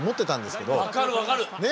分かる分かる！ね！